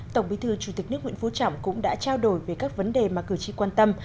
tổng bí thư chủ tịch nước nguyễn phú trọng cũng đã trao đổi về các vấn đề mà cử tri quan tâm